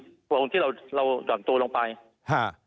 นี่โพงที่เราเราด่านตัวลงไปฮะ